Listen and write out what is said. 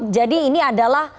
jadi ini adalah